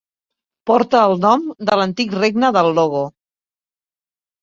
Porta el nom de l'antic Regne del Logo.